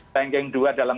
ranking dua dalam